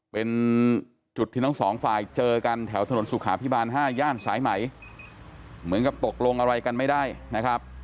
เป็นจุดที่ทั้งสองฝ่ายเจอกันแถวถนนสุขาพิบาล๕ย่านสายไหมเหมือนกับตกลงอะไรกันไม่ได้นะครับ